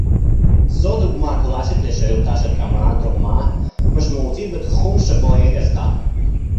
זו דוגמה קלאסית לשאילתא שתרמה תרומה משמעותית בתחום שבו היא עסקה